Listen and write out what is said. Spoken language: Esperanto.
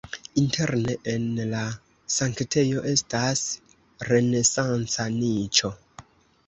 Interne en la sanktejo estas renesanca niĉo.